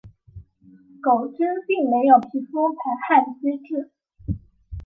狗只并没有皮肤排汗机制。